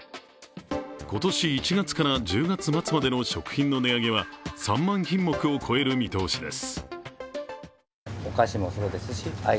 今年１月から１０月末までの食品の値上げは３万品目を超える見通しです。